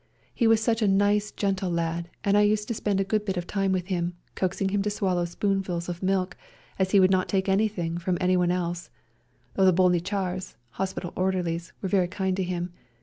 He was such a nice gentle lad, and I used to spend a good bit of time with him, coaxing him to swallow spoonfuls of milk, as he would not take anything from anyone else, though the Bolnichars — hospital orderlies — were very kind to him.